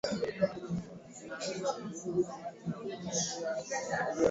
Juu ya lini hasa watu walianza kuishi pwani